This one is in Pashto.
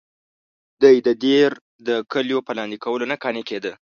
دی د دیر د کلیو په لاندې کولو نه قانع کېده.